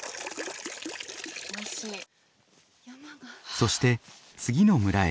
そして次の村へ。